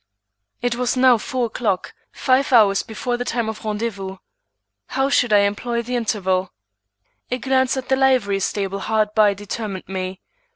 It was now four o'clock, five hours before the time of rendezvous. How should I employ the interval? A glance at the livery stable hard by, determined me.